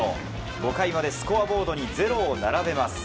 ５回までスコアボードに０を並べます。